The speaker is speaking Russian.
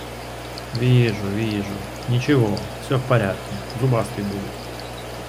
Вижу, вижу... Ничего, все в порядке: зубастый будет.